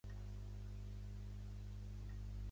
El cor ha estat elogiat per promoure l'igualitarisme de sexes.